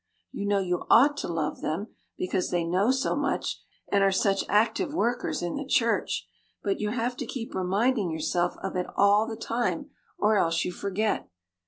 You know you ought to love them because they know so much and are such active workers in the church, but you have to keep reminding yourself of it all the time or else you forget.